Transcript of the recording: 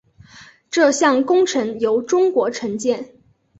这项工程由中国承建。